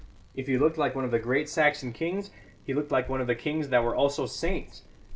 If he looked like one of the great Saxon kings, he looked like one of the kings that were also saints.